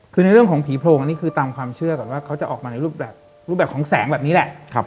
คือในเรื่องของผีโพรงอันนี้คือตามความเชื่อก่อนว่าเขาจะออกมาในรูปแบบรูปแบบของแสงแบบนี้แหละ